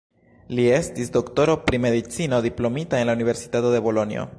Li estis doktoro pri medicino diplomita en la Universitato de Bolonjo.